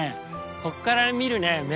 ここから見る目